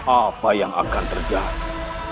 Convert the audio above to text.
apa yang akan terjadi